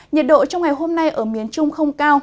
nhiệt độ trong ngày hôm nay ở miền trung không cao